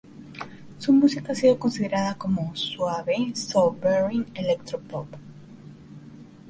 Su música ha sido considerada como "suave, soul-bearing electro-pop".